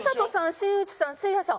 新内さんせいやさん